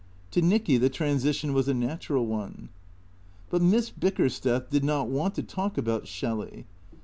To Nicky the transition was a natural one. But Miss Bickersteth did not want to talk about Shelley.